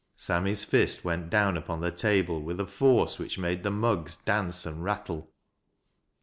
Sammy's fist went down upon the table with a forco which made the mugs dance and rattle.